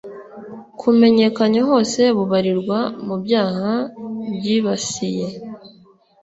kumenyekanye hose bubarirwa mu byaha byibasiye